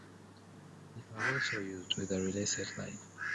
It was also used with the Relay satellite.